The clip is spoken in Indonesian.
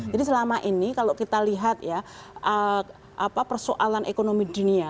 jadi selama ini kalau kita lihat ya persoalan ekonomi dunia